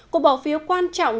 cuộc bỏ phiếu quan trọng